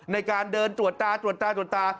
ในการเดินตรวจตาตรวจตาตรวจตา